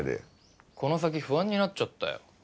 この先不安になっちゃったよ